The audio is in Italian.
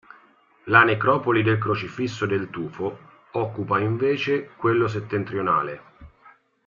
La Necropoli del Crocifisso del Tufo occupa invece quello settentrionale.